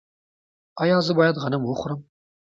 ایا زه باید غنم وخورم؟